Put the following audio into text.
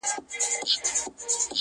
یو ګړی وروسته را والوتل بادونه!!